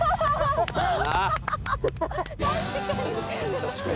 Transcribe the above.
確かに。